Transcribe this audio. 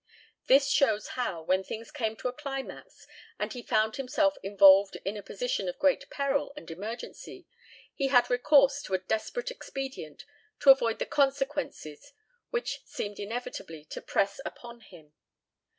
This shows how, when things came to a climax and he found himself involved in a position of great peril and emergency, he had recourse to a desperate expedient to avoid the consequences which seemed inevitably to press upon him.